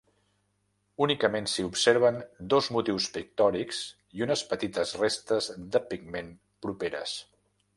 Únicament s'hi observen dos motius pictòrics i unes petites restes de pigment properes.